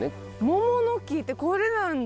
モモの木ってこれなんだ。